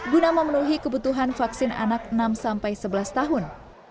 guna memenuhi kebutuhan vaksin anak enam sampai sebelas tahun